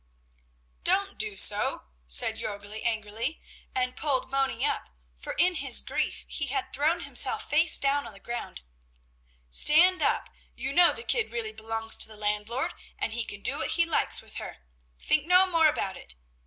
"Don't do so," said Jörgli, angrily, and pulled Moni up, for in his grief he had thrown himself face down on the ground. "Stand up, you know the kid really belongs to the landlord and he can do what he likes with her. Think no more about it!